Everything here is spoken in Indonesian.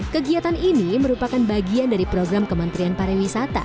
kegiatan ini merupakan bagian dari program kementerian pariwisata